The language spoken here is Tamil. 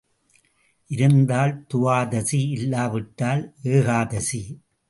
இருந்தால் துவாதசி இல்லா விட்டால் ஏகாதசி.